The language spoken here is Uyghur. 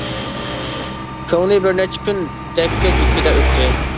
كۆڭلى بىر نەچچە كۈن دەككە-دۈككىدە ئۆتتى.